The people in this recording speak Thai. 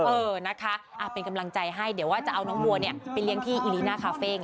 เออนะคะเป็นกำลังใจให้เดี๋ยวว่าจะเอาน้องวัวไปเลี้ยงที่อิริน่าคาเฟ่